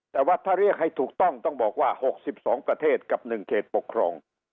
แต่ว่าถ้าเรียกให้ถูกต้องต้องบอกว่า๖๒ประเทศกับ๑เขตปกครอง